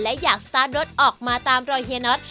และอยากสตาร์ทรถออกมาตามรอยเฮียน็อต